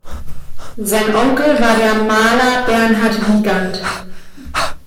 Sein Onkel war der Maler Bernhard Wiegandt.